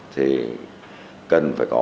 thì cần phải có